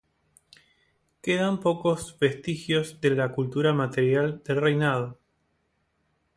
Quedan pocos vestigios de la cultura material del reino.